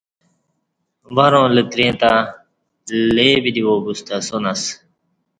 ورں لتری تں لے بدی وا بُستہ اسان اسہ